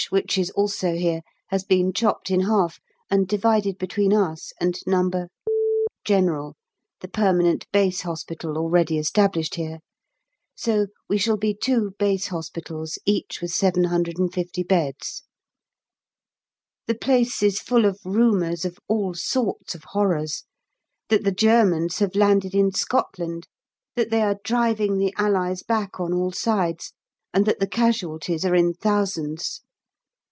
which is also here, has been chopped in half, and divided between us and No. General, the permanent Base Hospital already established here. So we shall be two base hospitals, each with 750 beds. The place is full of rumours of all sorts of horrors, that the Germans have landed in Scotland, that they are driving the Allies back on all sides, and that the casualties are in thousands.